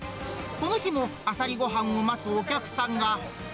この日も、あさりごはんを待つお客さんが。